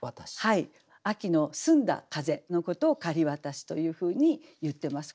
秋の澄んだ風のことを「雁渡し」というふうにいってます。